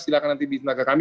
silahkan nanti bisa ke kami